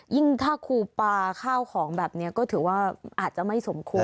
ยิ่งถ้าครูปลาข้าวของแบบนี้ก็ถือว่าอาจจะไม่สมควร